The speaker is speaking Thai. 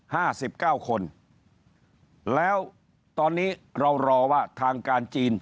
ห้าสิบเก้าคนแล้วตอนนี้เรารอว่าทางการจีน